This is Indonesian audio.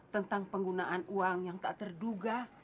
tentang penggunaan uang yang tak terduga